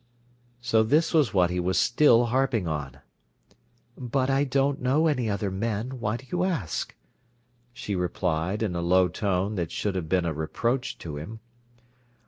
So this was what he was still harping on. "But I don't know any other men. Why do you ask?" she replied, in a low tone that should have been a reproach to him.